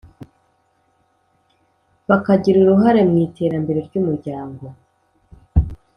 bakagira uruhare mu iterambere ry’umuryango.